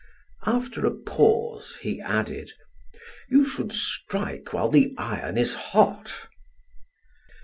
After a pause, he added: "You should strike while the iron is hot."